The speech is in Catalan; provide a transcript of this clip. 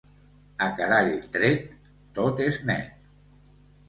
A carall tret, tot és net.